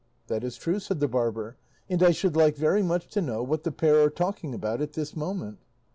"That is true," said the barber, "and I should like very much to know what the pair are talking about at this moment."